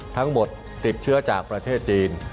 ทั้งหมดติดเชื้อจากประเทศจีน